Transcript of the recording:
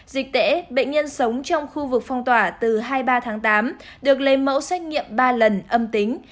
dịch tễ bệnh nhân sống trong khu vực phong tỏa từ hai mươi ba tháng tám được lấy mẫu xét nghiệm ba lần âm tính